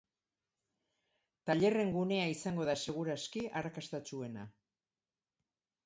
Tailerren gunea izango da segur aski arrakastatsuena.